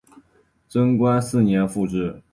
贞观四年复置。